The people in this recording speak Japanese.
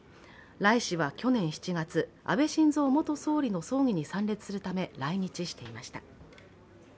頼氏は去年７月、安倍晋三元総理の葬儀に参列するため来日していました。